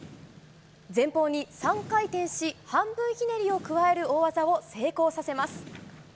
前方に３回転し、半分ひねりを加える大技を成功させます。